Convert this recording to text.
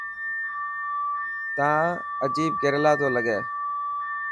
تان عجيب ڪريلا تو لگي.